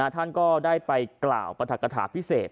ท่านก็ได้ไปกล่าวปรัฐกฐาพิเศษ